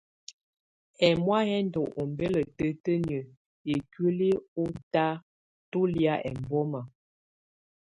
Ɛmɔ̀á yɛ̀ ndù ɔmbɛla tǝtǝniǝ́ ikuili ù tà tù lɛ̀á ɛmbɔma.